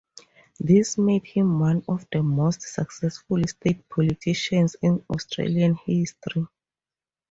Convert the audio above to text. This made him one of the most successful state politicians in Australian history.